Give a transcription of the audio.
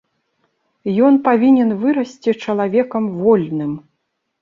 Ён павінен вырасці чалавекам вольным.